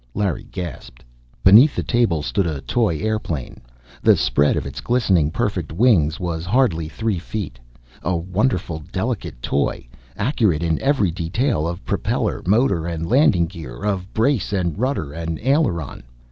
Larry gasped. Beneath the table stood a toy airplane. The spread of its glistening, perfect wings was hardly three feet. A wonderful, delicate toy, accurate in every detail of propeller, motor and landing gear, of brace and rudder and aileron.